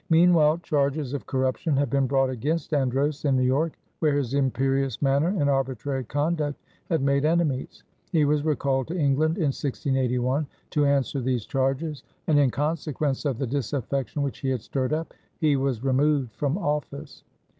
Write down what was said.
Meanwhile, charges of corruption had been brought against Andros in New York, where his imperious manner and arbitrary conduct had made enemies. He was recalled to England in 1681 to answer these charges, and in consequence of the disaffection which he had stirred up he was removed from office.